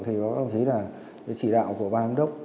thì có đồng chí là chỉ đạo của ban áp đốc